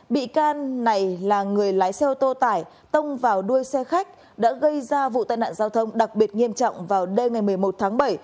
bị can này là người lái xe ô tô tải tông vào đuôi xe khách đã gây ra vụ tai nạn giao thông đặc biệt nghiêm trọng vào đêm ngày một mươi một tháng bảy